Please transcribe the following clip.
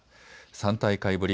３大会ぶり